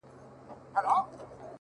څومره چي يې مينه كړه!!